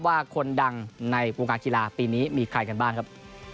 ว่าคนดังในวงการกีฬาปีนี้มีใครกันบ้างครับ